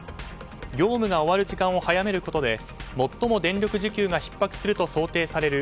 業務が終わる時間を早めることで最も電力需給がひっ迫すると想定される